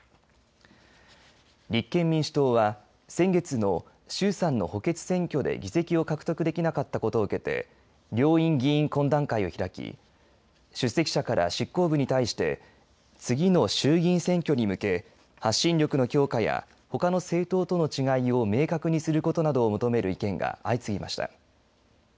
立憲民主党は先月の衆参の補欠選挙で議席を獲得できなかったことを受けて両院議員懇談会を開き出席者から執行部に対して次の衆議院選挙に向け発信力の強化やほかの政党との違いを明確にすることなどを求める意見が相次ぎました。